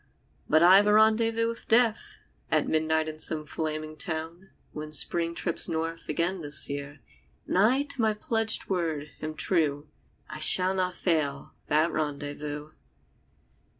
. But I've a rendezvous with Death At midnight in some flaming town, When Spring trips north again this year, And I to my pledged word am true, I shall not fail that rendezvous.